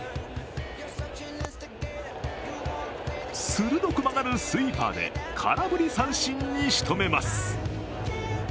鋭く曲がるスイーパーで空振り三振にしとめます。